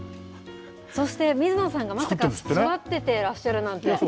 そして、水野さんがまさか、育ててらっしゃるなんて。